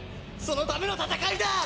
そのための戦いだ！